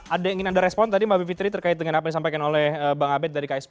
ada yang ingin anda respon tadi mbak bivitri terkait dengan apa yang disampaikan oleh bang abed dari ksp